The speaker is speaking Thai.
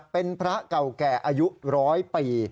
เป็นพระเก่าแก่อายุร้อยปี